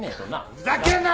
ふざけるな！